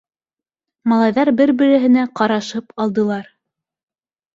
Малайҙар бер-береһенә ҡарашып алдылар.